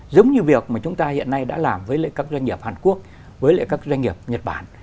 giống như việc mà chúng ta hiện nay đã làm với các doanh nghiệp hàn quốc với các doanh nghiệp nhật bản